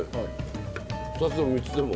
２つでも３つでも。